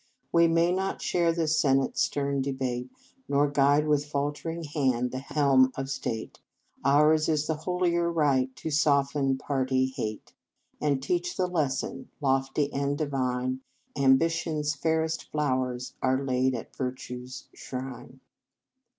We may not share the Senate s stern debate, Nor guide with faltering hand the helm of state ; Ours is the holier right to soften party hate, And teach the lesson, lofty and divine, Ambition s fairest flowers are laid at Virtue s shrine."